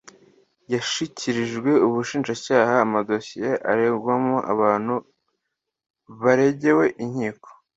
yashyikirijwe Ubushinjacyaha amadosiye aregwamo abantu yaregewe inkiko